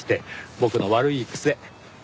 僕の悪い癖。